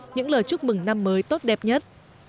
những lời chúc mừng năm mới tốt đẹp nhất